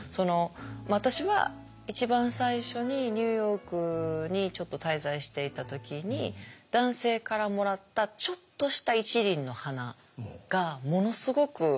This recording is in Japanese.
私は一番最初にニューヨークにちょっと滞在していた時に男性からもらったちょっとした１輪の花がものすごく心を打たれて。